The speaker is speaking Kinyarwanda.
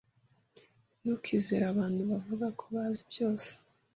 Ntukizere abantu bavuga ko bazi byose.